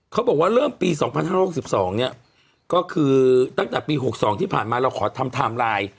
เขาบอกว่าเริ่มปีสองพันห้าร้อยสิบสองเนี้ยก็คือตั้งแต่ปีหกสองที่ผ่านมาเราขอทำไทม์ไลน์